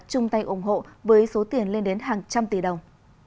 chung tay ủng hộ với số tiền lên đến hàng trăm tỷ đồng